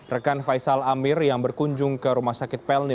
rekan faisal amir yang berkunjung ke rumah sakit pelni